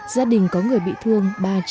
gia đình có người bệnh